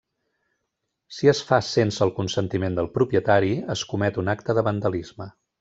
Si es fa sense el consentiment del propietari, es comet un acte de vandalisme.